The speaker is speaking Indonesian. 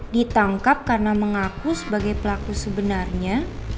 ditangkap karena mengaku sebagai pelaku sebenarnya